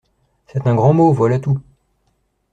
C’est un grand mot, voilà tout.